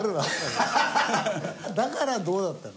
だからどうだっての？